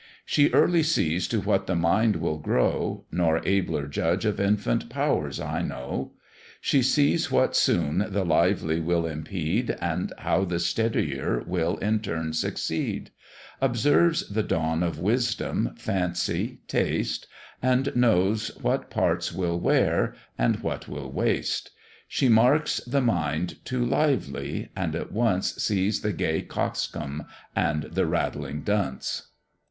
She early sees to what the mind will grow, Nor abler judge of infant powers I know: She sees what soon the lively will impede, And how the steadier will in turn succeed; Observes the dawn of wisdom, fancy, taste, And knows what parts will wear, and what will waste: She marks the mind too lively, and at once Sees the gay coxcomb and the rattling dunce.